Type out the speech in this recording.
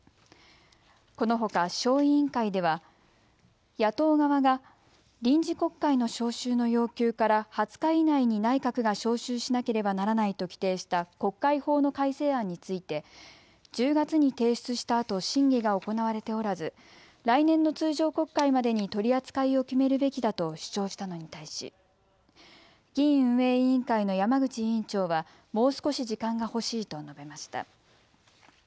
このほか小委員会では野党側が臨時国会の召集の要求から２０日以内に内閣が召集しなければならないと規定した国会法の改正案について１０月に提出したあと審議が行われておらず来年の通常国会までに取り扱いを決めるべきだと主張したのに対し議院運営委員会の山口委員長はもう少し時間が欲しいと述べました。